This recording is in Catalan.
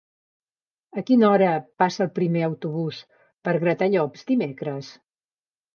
A quina hora passa el primer autobús per Gratallops dimecres?